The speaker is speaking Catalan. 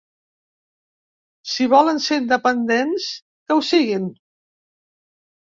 Si volen ser independents, que ho siguin!